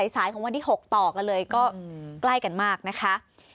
สายของวันที่๖ต่อกันเลยก็ใกล้กันมากนะคะ